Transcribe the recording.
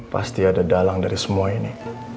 pasti ada dalang dari semua ini